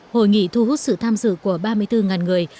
hội nghị thu hút sự tham dự của ba mươi bốn người